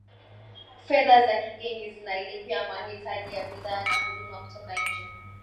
fedha za kigeni zinalipia mahitaji ya bidhaa na huduma kutoka nje